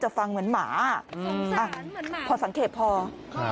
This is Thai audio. กลับเข้ากันแล้วกัน